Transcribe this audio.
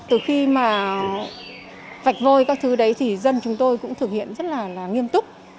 từ khi mà vạch vôi các thứ đấy thì dân chúng tôi cũng thực hiện rất là nghiêm túc